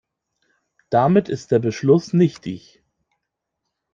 Damit ist der Beschluss nichtig.